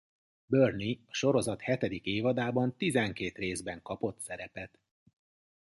Byrne a sorozat hetedik évadában tizenkét részben kapott szerepet.